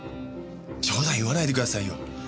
冗談言わないでくださいよ。